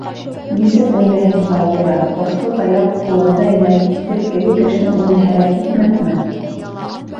— Нисек уйлайһың, Багира, осло таяҡ, ҡулында әйләнеп китеп, теге кешенең үҙен һәләк итмәҫме?